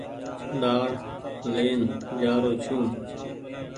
ڏآڙ لين جآرو ڇون ۔